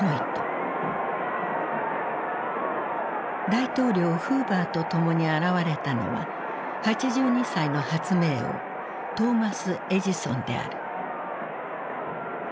大統領フーバーと共に現れたのは８２歳の発明王トーマス・エジソンである。